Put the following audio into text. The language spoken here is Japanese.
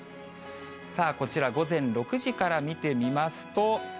さあ、こちら午前６時から見てみますと。